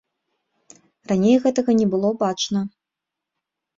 Раней гэтага не было бачна.